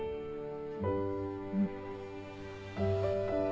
うん。